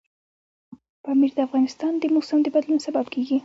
پامیر د افغانستان د موسم د بدلون سبب کېږي.